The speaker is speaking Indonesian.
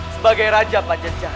sebagai raja pajajara